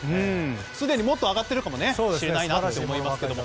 すでにもっと上がっているかもしれないなと思いますけども。